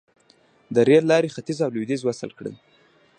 د ریل لارې ختیځ او لویدیځ وصل کړل.